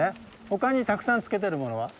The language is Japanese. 他にたくさんつけてるものは？